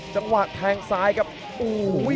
จังหวะแทงซ้ายครับโอ้โห